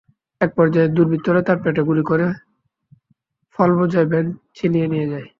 একপর্যায়ে দুর্বৃত্তরা তাঁর পেটে গুলি করে ফলবোঝাই ভ্যান ছিনিয়ে নিয়ে যায়।